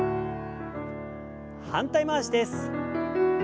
反対回しです。